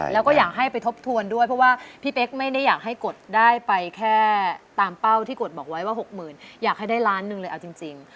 แล้วก็อยากให้ไปทบทวนด้วยเพราะว่าพี่เป๊กไม่ได้อยากให้กดได้ไปแค่ตามเป้าที่กดบอกไว้ว่า๖๐๐๐อยากให้ได้ล้านหนึ่งเลยเอาจริง